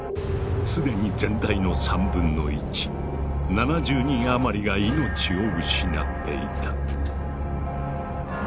すでに全体の３分の１７０人余りが命を失っていた。